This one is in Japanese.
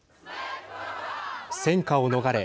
戦禍を逃れ